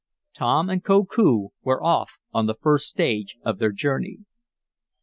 Tom and Koku were off on the first stage of their journey.